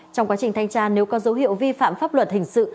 trong quá trình thanh tra nếu có dấu hiệu vi phạm pháp luật hình sự